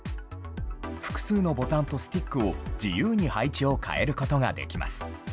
複数のボタンとスティックを自由に配置を変えることができます。